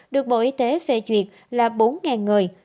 được bộ y tế phê duyệt là bốn người